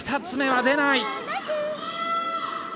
２つ目は出ない。